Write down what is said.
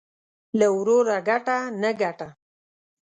له وروره گټه ، نه گټه.